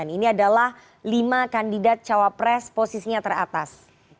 ini adalah lima kandidat cawapres posisinya teratas